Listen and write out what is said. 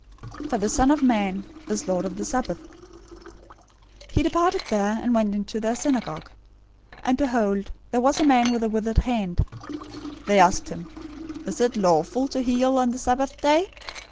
012:008 For the Son of Man is Lord of the Sabbath." 012:009 He departed there, and went into their synagogue. 012:010 And behold there was a man with a withered hand. They asked him, "Is it lawful to heal on the Sabbath day?"